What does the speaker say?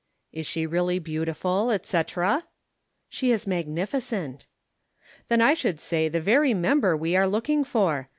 "Is she really beautiful, et cetera?" "She is magnificent." "Then I should say the very member we are looking for.